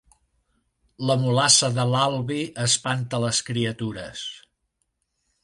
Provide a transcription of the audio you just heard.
La mulassa de l'Albi espanta les criatures